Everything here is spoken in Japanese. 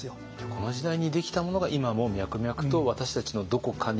この時代にできたものが今も脈々と私たちのどこかに。